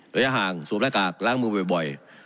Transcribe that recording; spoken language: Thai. ระยะห่างสวมหน้ากากล้างมือบ่อย